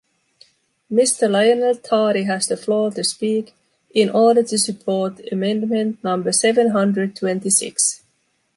Mister Lionel Tardy has the floor to speak, in order to support amendment number seven hundred twenty-six.